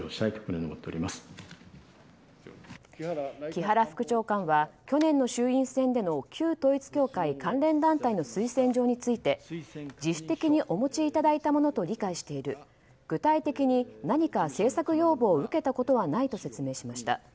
木原副長官は去年の衆院選での旧統一教会関連団体の推薦状について自主的にお持ちいただいたものと理解している具体的に何か政策要望を受けたことはないと説明しました。